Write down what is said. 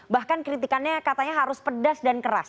bahkan kritikannya katanya harus pedas dan keras